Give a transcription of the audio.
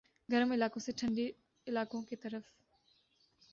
گرم علاقوں سے ٹھنڈے علاقوں کی طرف